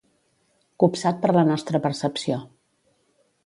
Copsat per la nostra percepció.